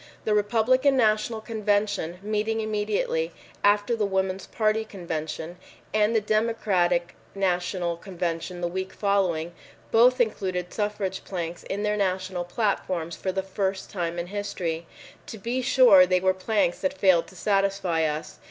The Republican National Convention, meeting immediately. after the Woman's Party Convention, and the Democratic National Convention the week following, both included suffrage planks in their national platforms for the first time in history. To be sure, they were planks that failed to satisfy us.